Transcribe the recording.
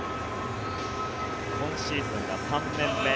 今シーズンが３年目。